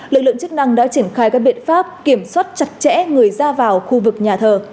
lực lượng chức năng đã triển khai các biện pháp kiểm soát chặt chẽ người ra vào khu vực nhà thờ